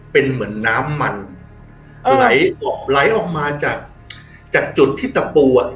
เป็นเหมือนน้ำมันไหลออกไหลออกมาจากจากจุดที่ตะปูอ่ะ